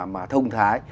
mà thông thái